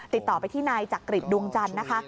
ติดต่อไปที่นายจักริจดวงจันทร์นะคะ